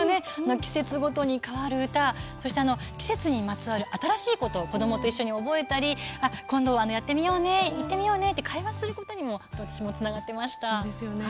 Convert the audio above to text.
季節ごとに変わる歌そして季節にまつわる新しい歌を子どもと一緒に覚えたり一緒にやってみようと会話をすることにつながっていました。